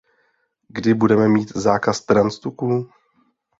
Kdy budeme mít zákaz trans tuků?